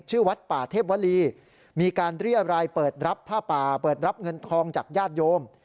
วัดป่าเทพวลีมีการเรียรายเปิดรับผ้าป่าเปิดรับเงินทองจากญาติโยม